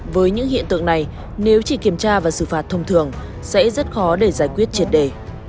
với những hiện tượng này nếu chỉ kiểm tra và xử phạt thông thường sẽ rất khó để giải quyết triệt đề